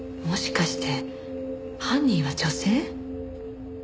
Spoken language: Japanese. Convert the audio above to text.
もしかして犯人は女性？